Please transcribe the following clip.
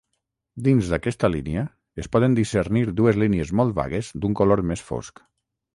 Dins d'aquesta línia es poden discernir dues línies molt vagues d'un color més fosc.